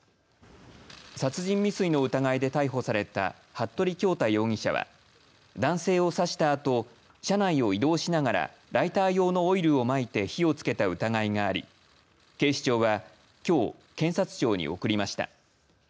殺人未遂の疑いで逮捕された服部恭太容疑者は男性を刺したあと車内を移動しながらライター用のオイルをまいて火をつけた疑いがあり警視庁はきょう検察庁に送りました。